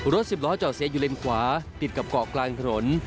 สิบล้อจอดเสียอยู่เลนขวาติดกับเกาะกลางถนน